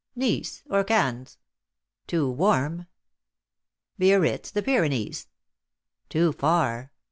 " Nice, or Cannes." " Too warm." " Biarritz, the Pyrenees." " Too far.